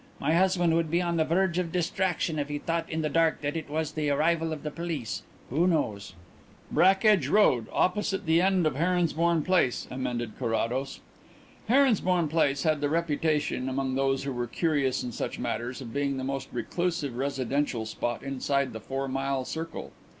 My husband would be on the verge of distraction if he thought in the dark that it was the arrival of the police; who knows?" "Brackedge Road, opposite the end of Heronsbourne Place," amended Carrados. Heronsbourne Place had the reputation, among those who were curious in such matters, of being the most reclusive residential spot inside the four mile circle.